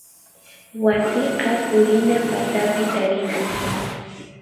Wasiqa purina patapi tarikun.